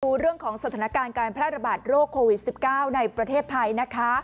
ดูเรื่องของสถานการณ์การแพร่ระบาดโรคโควิด๑๙ในประเทศไทยนะคะ